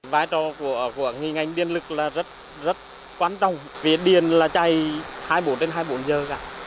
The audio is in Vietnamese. vái trò của nghi ngành điện lực là rất quan trọng vì điện là chạy hai mươi bốn đến hai mươi bốn giờ cả